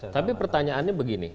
tapi pertanyaannya begini